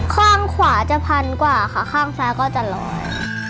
ข้างขวาจะพันกว่าค่ะข้างซ้ายก็จะลอย